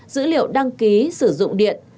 dữ liệu đăng ký sử dụng điện